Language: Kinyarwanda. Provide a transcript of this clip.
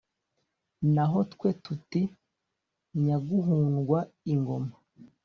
naho twe tuti :« nyaguhundwa ingoma »,